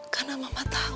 karena mama tak mau